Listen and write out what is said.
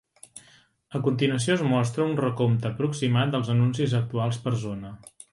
A continuació es mostra un recompte aproximat dels anuncis actuals per zona.